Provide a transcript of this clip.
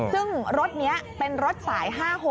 ซึ่งรถนี้เป็นรถสาย๕๖